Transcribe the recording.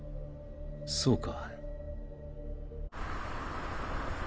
そうか。